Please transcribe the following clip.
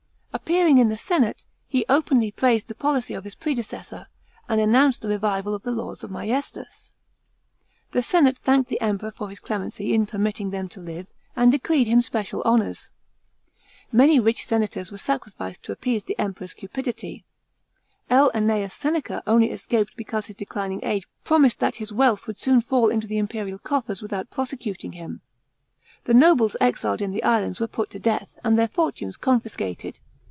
Appearing in the senate, he openly praised the policy of his predecessor, and announced the revival of the laws of maiestas. The senate thanked the Emperor for his clemency in permitting them to live, and decreed him special honours. Many rich senators were sacrificed to appease the Emperor's cuj idity. L. Annaens Seneca only escaped because his declining age pro mised that his wealth would soon fall into the imperial coffers without prosecuting him. The noble exiles in the islands were put to death, and their fortunes confiscated.